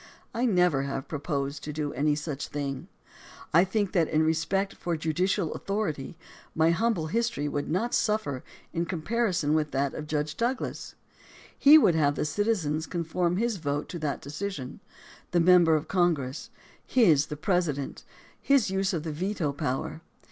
I never have proposed to do any such thing. I think that in respect for judicial authority, my humble history would not suffer in comparison with that of Judge Douglas. He would have the citizens conform his vote to that decision ; the member of Congress, his; the President, his use of the veto power.